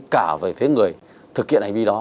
cả về phía người thực hiện hành vi đó